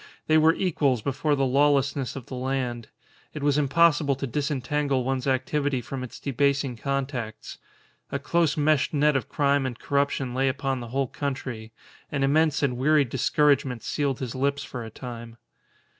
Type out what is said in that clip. They were equals before the lawlessness of the land. It was impossible to disentangle one's activity from its debasing contacts. A close meshed net of crime and corruption lay upon the whole country. An immense and weary discouragement sealed his lips for a time.